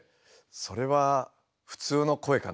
それは普通の声かな？